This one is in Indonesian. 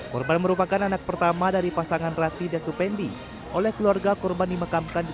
korban merupakan anak pertama dari pasangan rati dan supendi oleh keluarga korban dimakamkan di